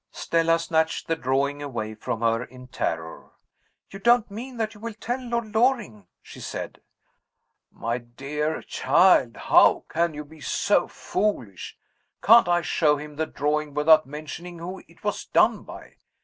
Stella snatched the drawing away from her, in terror. "You don't mean that you will tell Lord Loring?" she said. "My dear child! how can you be so foolish? Can't I show him the drawing without mentioning who it was done by?